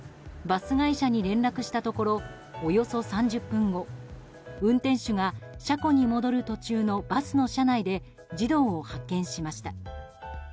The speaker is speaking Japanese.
バス会社に連絡したところおよそ３０分後運転手が車庫に戻る途中のバスの車内で児童を発見しました。